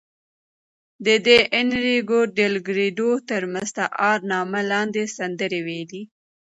ده د اینریکو ډیلکریډو تر مستعار نامه لاندې سندرې ویلې.